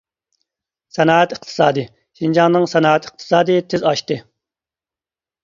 سانائەت ئىقتىسادى : شىنجاڭنىڭ سانائەت ئىقتىسادى تىز ئاشتى.